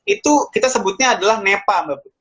itu kita sebutnya adalah nepa mbak putri